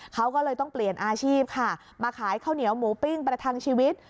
เขาก็เลยต้องเปลี่ยนอาชีพค่ะมาขายข้าวเหนียวหมูปิ้งประทังชีวิต